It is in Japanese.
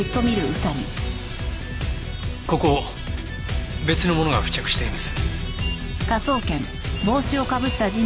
ここ別のものが付着しています。